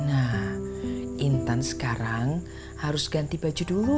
nah intan sekarang harus ganti baju dulu